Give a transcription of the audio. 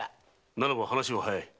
ならば話は早い。